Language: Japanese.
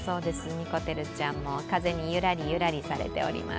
にこてるちゃんも風にユラリユラリされております。